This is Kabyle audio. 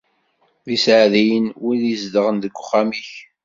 D iseɛdiyen wid izedɣen deg uxxam-ik.